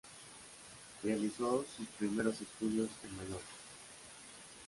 Realizó sus primeros estudios en Mallorca.